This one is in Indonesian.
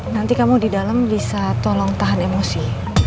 nanti kamu di dalam bisa tolong tahan emosi